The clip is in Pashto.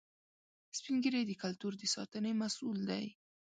سپین ږیری د کلتور د ساتنې مسؤل دي